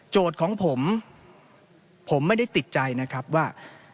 ของผมผมไม่ได้ติดใจนะครับว่า